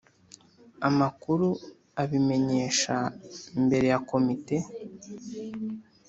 amakuru abimenyesha mbere ya Komite